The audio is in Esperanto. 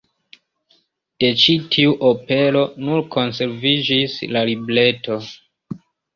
De ĉi tiu opero nur konserviĝis la libreto.